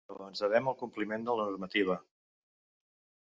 Però ens devem al compliment de la normativa.